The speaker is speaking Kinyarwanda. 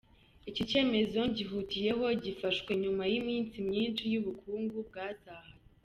Iki cyemezo ngihutiyeho gifashwe nyuma y'iminsi myinshi y'ubukungu bwazahaye.